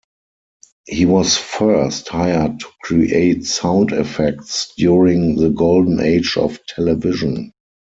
He was first hired to create sound effects during the Golden Age of Television.